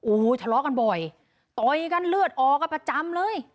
โอ้โหทะเลาะกันบ่อยต่อยกันเลือดออกกันประจำเลย